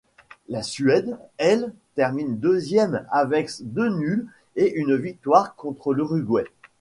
La Suède, elle, termine deuxième avec deux nuls et une victoire contre l'Uruguay.